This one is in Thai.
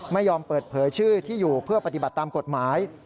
ไม่ยอมเปิดเผยชื่อที่อยู่เพื่อปฏิบัติตามกฎหมาย